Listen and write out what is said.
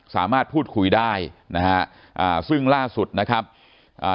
สามารถพูดคุยได้นะฮะอ่าซึ่งล่าสุดนะครับอ่า